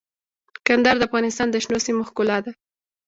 کندهار د افغانستان د شنو سیمو ښکلا ده.